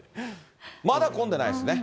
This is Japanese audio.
まだ混んでないですね。